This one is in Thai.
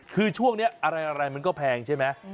คือช่วงนี้อะไรมันก็แพงใช่ไหม